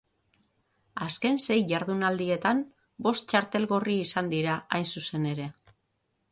Azken sei jardunaldietan bost txartel gorri izan dira, hain zuzen ere.